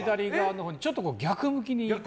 ちょっと逆向きに。